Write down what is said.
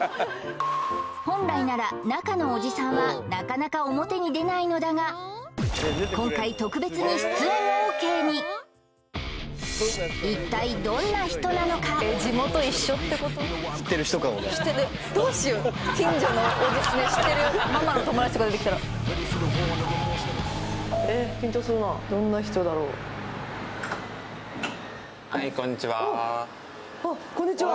本来なら中のおじさんはなかなか表に出ないのだが今回特別に出演オーケーに一体どんな人なのか近所の知ってるおっあっこんにちは